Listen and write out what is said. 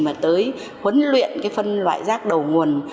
mà tới huấn luyện phân loại giác đầu nguồn